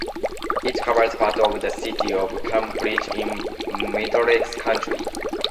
It covers part of the city of Cambridge in Middlesex County.